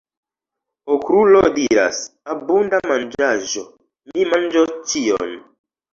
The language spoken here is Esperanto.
Okrulo diras: "Abunda manĝaĵo! Mi manĝos ĉion!"